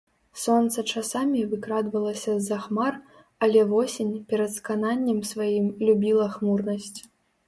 Сонца часамі выкрадвалася з-за хмар, але восень, перад скананнем сваім, любіла хмурнасць.